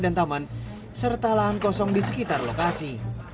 dan taman serta lahan kosong di sekitar lokasi